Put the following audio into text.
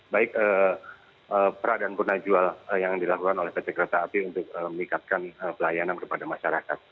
baik pra dan purna jual yang dilakukan oleh pt kereta api untuk meningkatkan pelayanan kepada masyarakat